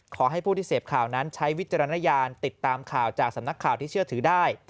ขอให้ผู้ที่เสพข่าวนั้นใช้วิจารณญาณติดตามข่าวจากสำนักข่าวที่เชื่อถือได้